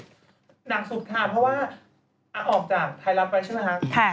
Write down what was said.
หนักสุดค่ะเพราะว่าออกจากไทยรัฐไปใช่ไหมคะ